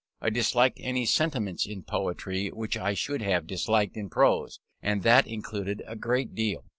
I disliked any sentiments in poetry which I should have disliked in prose; and that included a great deal.